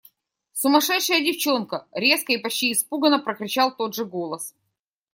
– Сумасшедшая девчонка! – резко и почти испуганно прокричал тот же голос.